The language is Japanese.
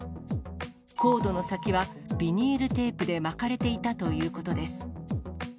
コードの先はビニールテープで巻かれていたということです。